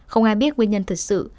không ai biết nguyên nhân thật sự